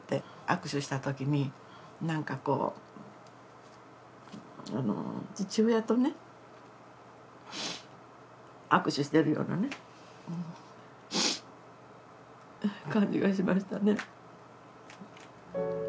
握手したときに、なんかこう、父親とね、握手してるようなね、感じがしましたね。